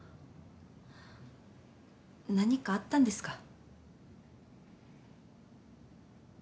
何かあったんですか？